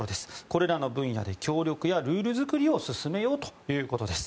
これらの分野で協力やルール作りをしようということです。